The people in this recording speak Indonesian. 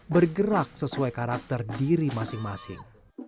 bergerak sesuai karakter diri masing masing